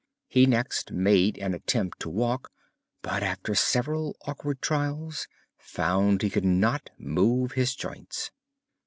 He next made an attempt to walk but after several awkward trials found he could not move his joints.